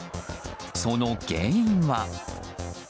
その原因は。